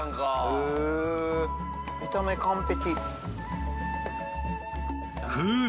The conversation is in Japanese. へえ見た目完璧。